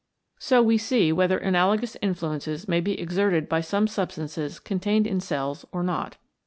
So we see whether analogous influences may be exerted by some substances contained in cells or not.